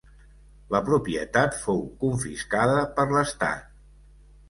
La propietat fou confiscada per l'estat.